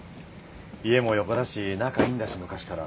家も横だし仲いいんだし昔から。